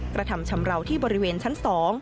กระทำชำราวที่บริเวณชั้น๒